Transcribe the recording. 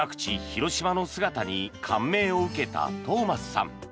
・広島の姿に感銘を受けたトーマスさん。